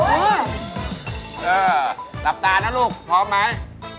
เออหลับตานะลูกพร้อมไหม